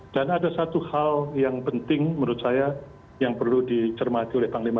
dan ada satu hal yang penting menurut saya yang perlu dicermati oleh panglima tni